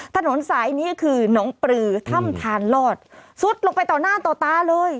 ถนนสายนี้คือน้องปลือถ้ำทานลอดซุดลงไปต่อหน้าต่อตาเลย